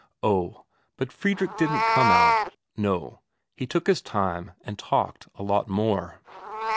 Oh, but Fredrik didn't come out no, he took his time, and talked a lot more.